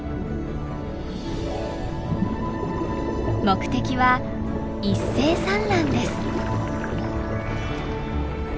目的は一斉産卵です。